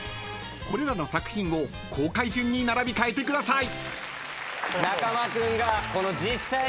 ［これらの作品を公開順に並び替えてください］